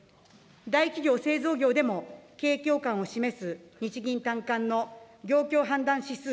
大企業・製造業でも景況感を示す日銀短観の業況判断指数